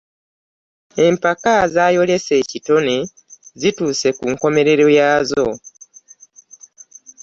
Empaka za yolesa ekitone zituuse ku nkomekerero yaazo.